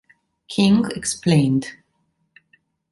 King explained.